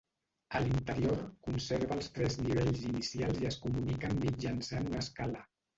A l'interior conserva els tres nivells inicials i es comuniquen mitjançant una escala.